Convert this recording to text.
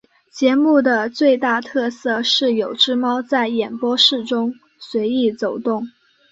节目的最大特色是有只猫在演播室中随意走动。